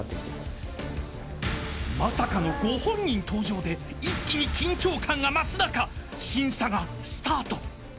［まさかのご本人登場で一気に緊張感が増す中審査がスタート］